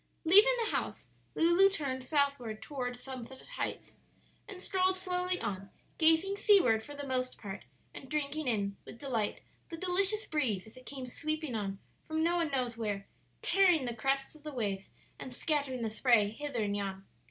Leaving the house, Lulu turned southward toward Sunset Heights, and strolled slowly on, gazing seaward for the most part, and drinking in with delight the delicious breeze as it came sweeping on from no one knows where, tearing the crests of the waves and scattering the spray hither and yon.